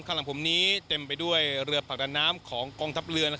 ข้างหลังผมนี้เต็มไปด้วยเรือผลักดันน้ำของกองทัพเรือ